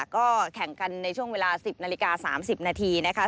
ก็แข่งกันในช่วงเวลา๑๐นาฬิกา๓๐นาทีนะคะ